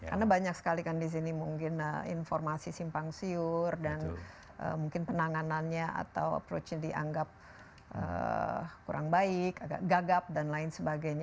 karena banyak sekali kan di sini mungkin informasi simpang siur dan mungkin penanganannya atau approach nya dianggap kurang baik gagap dan lain sebagainya